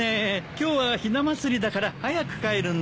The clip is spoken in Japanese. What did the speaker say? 今日はひな祭りだから早く帰るんだ。